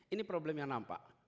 ini problem yang nampak